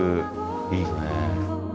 いい空間ですね。